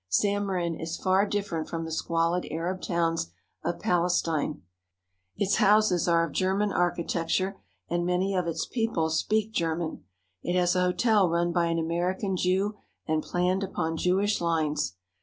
Zammarin is far different from the squalid Arab towns of Palestine. Its houses are of German architecture and many of its people speak German. It has a hotel run by an American Jew and planned upon Jewish lines.